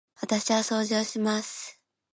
私は掃除をします。